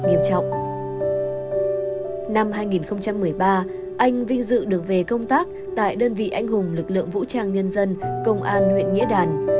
năm hai nghìn một mươi ba anh vinh dự được về công tác tại đơn vị anh hùng lực lượng vũ trang nhân dân công an huyện nghĩa đàn